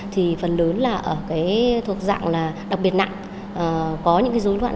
thì phần lớn là thuộc dạng là đặc biệt nặng có những dối loạn